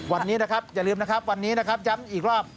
วันนี้นะครับอย่าลืมนะครับวันนี้นะครับย้ำอีกรอบ